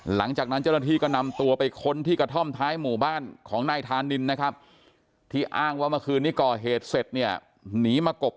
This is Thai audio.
หลังจากนั้นเจ้าหน้าที่ก็นำตัวไปค้นที่กระท่อมท้ายหมู่บ้านของนายธานินนะครับ